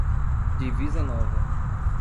Divisa Nova